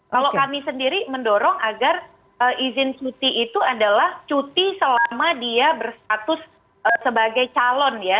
kalau kami sendiri mendorong agar izin cuti itu adalah cuti selama dia berstatus sebagai calon ya